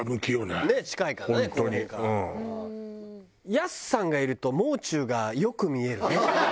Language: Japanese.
やすさんがいるともう中が良く見えるね。